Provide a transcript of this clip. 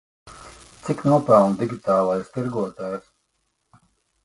Cik nopelna digitālais tirgotājs?